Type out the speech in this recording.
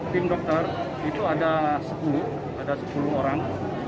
tim dokter itu ada sepuluh orang